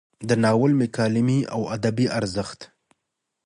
د ناول مکالمې او ادبي ارزښت: